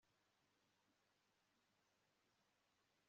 hanyuma haza mushikiwabo umubare wa kabiri